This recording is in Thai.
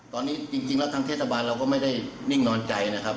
ตอนนี้จริงแล้วทางเทศบาลเราก็ไม่ได้นิ่งนอนใจนะครับ